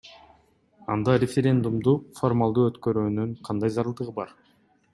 Анда референдумду формалдуу өткөрүүнүн кандай зарылдыгы бар?